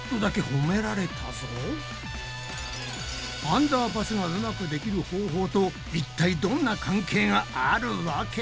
アンダーパスがうまくできる方法といったいどんな関係があるわけ？